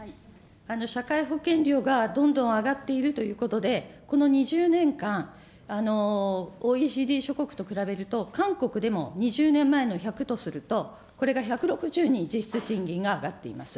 社会保険料がどんどん上がっているということで、この２０年間、ＯＥＣＤ諸国と比べると韓国でも２０年前の１００とすると、これが１６０に実質賃金が上がっています。